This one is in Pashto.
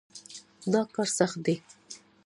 دا کار سخت دی.